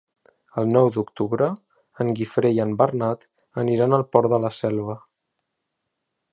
El nou d'octubre en Guifré i en Bernat aniran al Port de la Selva.